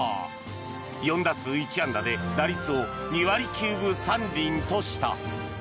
４打数１安打で打率を２割９分３厘とした。